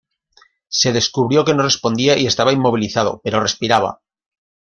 Se descubrió que no respondía y estaba inmovilizado, pero respiraba.